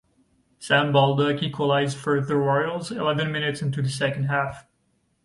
Sam Baldock equalised for "the Royals" eleven minutes into the second half.